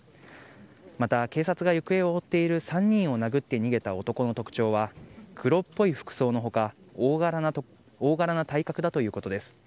また、警察が行方を追っている３人を殴って逃げた男の特徴は、黒っぽい服装のほか、大柄な体格だということです。